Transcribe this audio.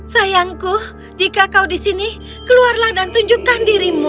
sayangku jika kau di sini keluarlah dan tunjukkan dirimu